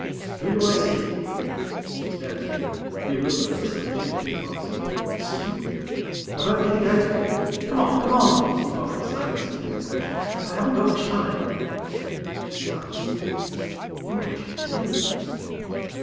"Who do I see?" She stared at him, bewildered at the sudden change in his voice. "See?" "About getting out of here! Come on, come on," he barked, snapping his fingers impatiently. "I haven't got much time." She smiled sweetly. "Oh, but you do."